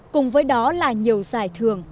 cùng với đó là nhiều giải thưởng